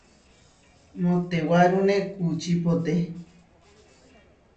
Moʼtewárune kuučípote.